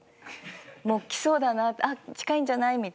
もう来そうだなあっ近いんじゃない？みたいな。